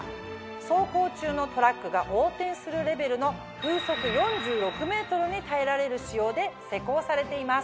走行中のトラックが横転するレベルの風速４６メートルに耐えられる仕様で施工されています。